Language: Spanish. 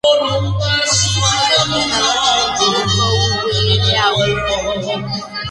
Fue discípulo de William Adolphe Bouguereau.